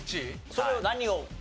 それは何を？